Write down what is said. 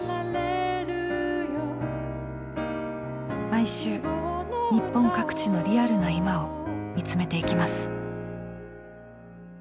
毎週日本各地のリアルな今を見つめていきます。